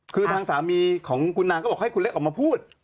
คือทางสามีของคุณนางก็บอกให้คุณเล็กออกมาพูด